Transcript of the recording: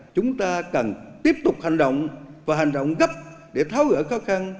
chúng ta cần tiếp tục hành động và hành động gấp để tháo gỡ khó khăn